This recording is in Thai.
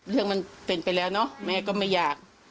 เรื่องมันเป็นไปแล้วเนอะแม่ก็ไม่อยาก